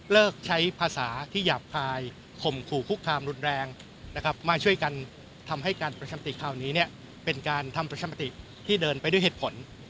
ใช้ภาษาที่หยาบคายข่มขู่คุกคามรุนแรงนะครับมาช่วยกันทำให้การประชามติคราวนี้เป็นการทำประชามติที่เดินไปด้วยเหตุผล